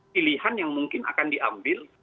pilihan yang mungkin akan diambil